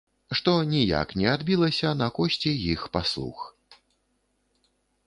Што ніяк не адбілася на кошце іх паслуг.